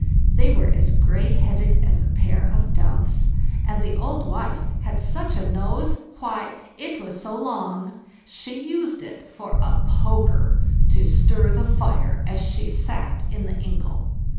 They were as grey headed as a pair of doves, and the old wife had such a nose! why, it was so long she used it for a poker to stir the fire as she sat in the ingle.